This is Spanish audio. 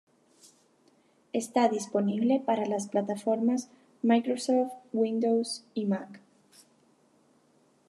Está disponible para las plataformas Microsoft Windows y Mac.